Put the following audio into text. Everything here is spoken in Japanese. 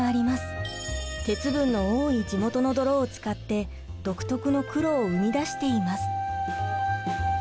鉄分の多い地元の泥を使って独特の黒を生み出しています。